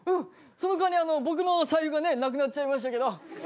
そのかわり僕の財布がねなくなっちゃいましたけど。